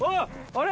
あれ？